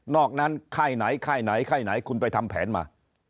อกนั้นค่ายไหนค่ายไหนค่ายไหนคุณไปทำแผนมา